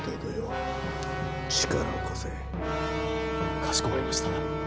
かしこまりました。